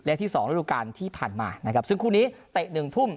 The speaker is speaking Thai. และที่๒ธุรการที่ผ่านมานะครับซึ่งคู่นี้เตะ๑ทุ่ม